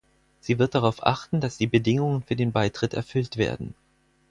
Sie wird darauf achten, dass die Bedingungen für den Beitritt erfüllt werden.